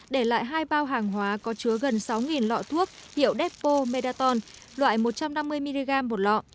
để lại hai bao hàng hóa có chứa gần sáu lọ thuốc hiệu depo medaton loại một trăm năm mươi mg một lọ